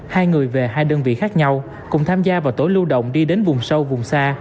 hai người về hai đơn vị khác nhau cùng tham gia vào tối lưu động đi đến vùng sâu vùng xa